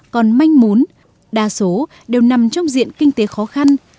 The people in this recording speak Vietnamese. còn manh muốn đa số đều nằm trong diện kinh tế khó khăn